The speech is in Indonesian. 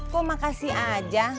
kok makasih aja